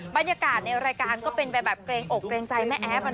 บรรยากาศในรายการก็เป็นไปแบบเกรงอกเกรงใจแม่แอฟ